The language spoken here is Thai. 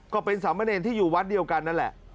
ก็เป็นสามเณรที่อยู่วัดเดียวกันนั่นแหละ